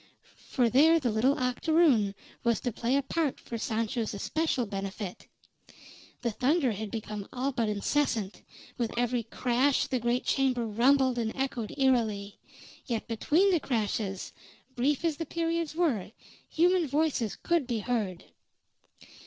For there the little octoroon was to play a part for Sancho's especial benefit. The thunder had become all but incessant; with every crash the great chamber rumbled and echoed eerily; yet between the crashes, brief as the periods were, human voices could be heard.